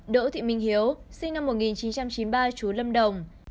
đỗ thị minh hiếu sinh năm một nghìn chín trăm chín mươi ba chú lâm đồng